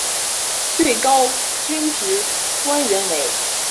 最高军职官员为。